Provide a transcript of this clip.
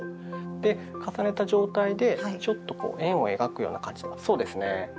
で重ねた状態でちょっとこう円を描くような感じそうですね。